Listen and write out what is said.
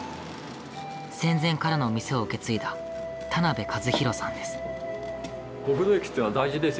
戦前からの店を受け継いだ田辺和弘さんです。